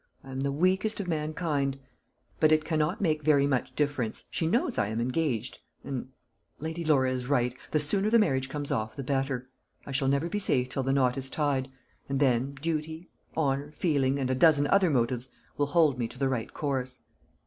I am the weakest of mankind. But it cannot make very much difference. She knows I am engaged and Lady Laura is right. The sooner the marriage comes off, the better. I shall never be safe till the knot is tied; and then duty, honour, feeling, and a dozen other motives, will hold me to the right course."